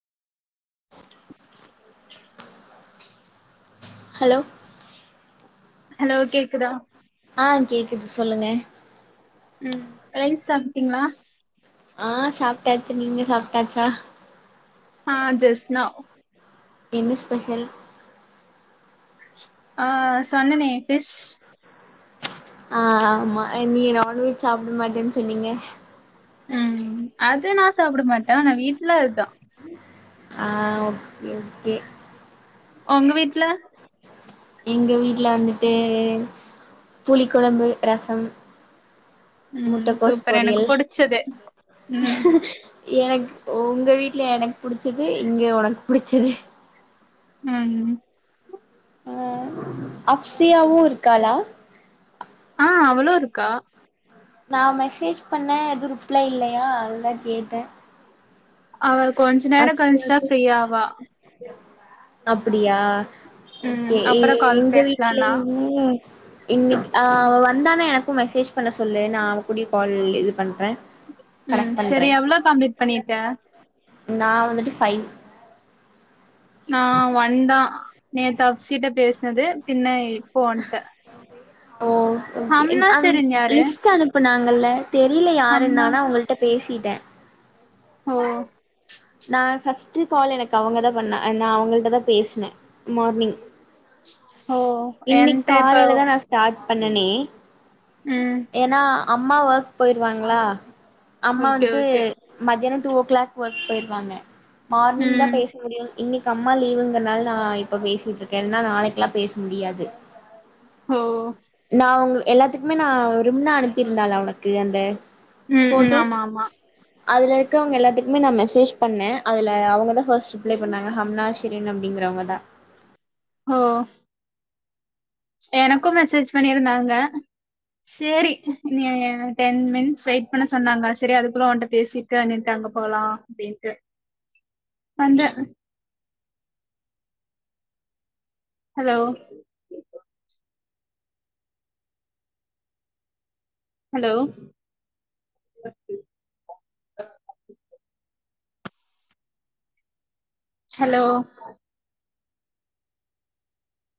Hello hello கேக்குதா அ கேக்குது சொல்லுங்க ம் லஞ்ச் சாப்ட்டீங்களா அ சாப்ட்டாச்சு நீங்க சாப்ட்டாச்சா அ ஜஸ்ட் நவ் என்ன ஸ்பெஷல் அ சொன்னனே ஃபிஷ் அ ஆமா நீ நான்வெஜ் சாப்ட மாட்டேன் சொன்னீங்க ம் அது நா சாப்ட மாட்டே ஆனா வீட்ல அதுதா அ ஓகே ஓகே உங்க வீட்ல எங்க வீட்ல வந்துட்டு புளி கொழம்பு ரசம் ம் முட்டக்கோஸ் சூப்பர் எனக்கு பொரியல் புடிச்சது ம் எனக்கு உங்க வீட்ல எனக்கு புடிச்சது இங்க ஒனக்கு புடிச்சது ம் அ அப்சியாவு இருக்காளா அ அவளு இருக்கா நா மெசேஜ் பண்ண எதுவு ரிப்ளை இல்லையா அதுதா கேட்ட அவ கொஞ்ச நேரோ கழிச்சுதா அப்சியாக்கு ஃப்ரீயாவா அப்டியா ம் எ எ அப்றோ கால் எங்க பேசலான்னா வீட்லயும் ஆ இன்னிக் அ வந்தானா எனக்கும் மெசேஜ் பண்ண சொல்லு நா அவ கூடியே கால் இது பண்றே ம் கனெக்ட் பண்றே சரி எவ்ளோ கம்ப்ளீட் பண்ணிருக்க நா வந்துட்டு ஃபை நா ஒன் தா நேத்து அப்சிட்ட பேஸ்னது பின்ன இப்போ ஒண்ட்ட ஓ ஓகே அ ஷெரின் யாரு லிஸ்ட் அனுப்புனாங்கல்ல தெரில யாருன்னு ஹம்னா ஆனா அவங்கள்ட்ட பேசிட்ட ஓ நா ஃபர்ஸ்ட்டு கால் எனக்கு அவங்க தா பண்ண நா அவங்கள்ட்ட தா பேசுனே மார்னிங் ஓ இன்னிக் காலையிலதா நா ஸடார்ட் பண்ணனே ம். ஏன்னா அம்மா ஒர்க் போயிருவாங்களா அம்மா ஓகே, வந்துட்டு ஓகே. மதியானோ டூ ஓ கிளாக் ஒர்க் போயிருவாங்க மார்னிங் தா ம். பேச முடியு இன்னிக் அம்மா லீவுங்கனால நா இப்ப பேசிட்டு இருக்க இல்லேன்னா நாளைக்கெல்லா பேச முடியாது ஓ நா உங் எல்லாத்துக்குமே நா ரிம்னா அனுப்பியிருந்தாளா உனக்கு அந்த ம் ம் போட்டோ ஆமா ஆமா அதுல இருக்கவுங்க எல்லாத்துக்குமே நா மெசேஜ் பண்ண அதுல அவுங்கதா ஃபர்ஸ்ட் ரிப்ளை பண்ணாங்க ஹம்னாஷ் ரின் அப்டிங்கிறவங்க தா ஓ எனக்கும் மெசேஜ் பண்ணியிருந்தாங்க சேரி நீ டென் மினிட்ஸ் வெயிட் பண்ண சொன்னாங்க சரி அதுக்குள்ள ஓன்ட்ட பேசி தேனீர்க்கு அங்க போலா அப்டின்ட்டு வந்தே ஹலோ ஹலோ ஹலோ